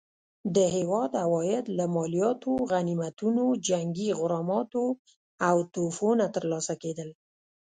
د هیواد عواید له مالیاتو، غنیمتونو، جنګي غراماتو او تحفو نه ترلاسه کېدل.